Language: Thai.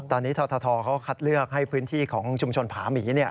ตอนนี้ททเขาคัดเลือกให้พื้นที่ของชุมชนผาหมี